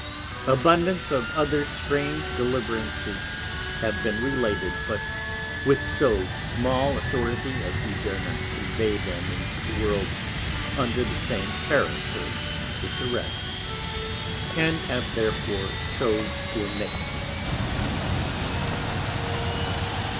Abundance of other strange Deliverances have been related, but with so small Authority as we dare not convey them into the World under the same Character with the rest; and have therefore chose to omit them.